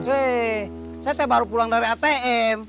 weh saya baru pulang dari atm